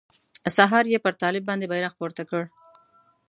سهار يې پر طالب باندې بيرغ پورته کړ.